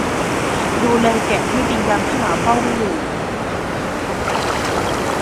ดูแลแกะให้ดียามที่หมาเฝ้าไม่อยู่